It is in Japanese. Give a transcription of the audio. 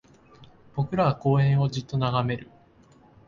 僕らは公園をじっと眺める